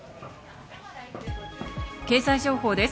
経済情報です。